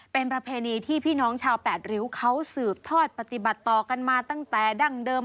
เป็นประเพณีที่พี่น้องชาวแปดริ้วเขาสืบทอดปฏิบัติต่อกันมาตั้งแต่ดั้งเดิม